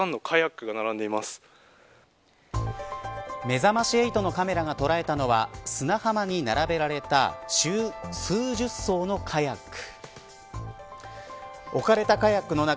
めざまし８のカメラが捉えたのは砂浜に並べられた数十艘のカヤック。